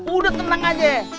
udah tenang aja